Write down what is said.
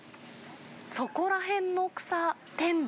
そこらへんの草天丼。